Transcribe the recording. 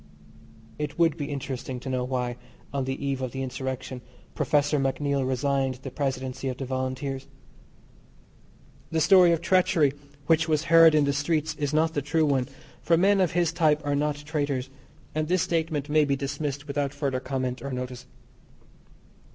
It would be interesting to know why, on the eve of the insurrection, Professor MacNeill resigned the presidency of the Volunteers. The story of treachery which was heard in the streets is not the true one, for men of his type are not traitors, and this statement may be dismissed without further comment or notice.